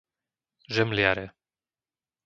Žemliare